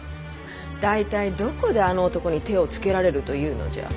大体どこであの男に手をつけられるというのじゃ。